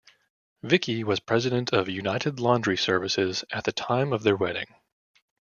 Vicky was president of United Laundry Services at the time of their wedding.